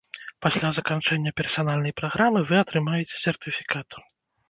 Пасля заканчэння персанальнай праграмы вы атрымаеце сертыфікат.